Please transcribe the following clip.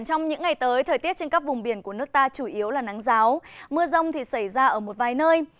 thời tiết trên các vùng biển của nước ta chủ yếu là nắng giáo mưa rong thì xảy ra ở một vài nơi